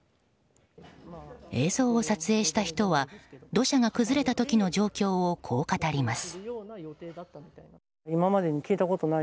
映像を撮影した人は土砂が崩れた時の状況をこう語ります。